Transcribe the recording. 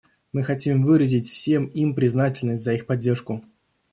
Мы хотим выразить всем им признательность за их поддержку.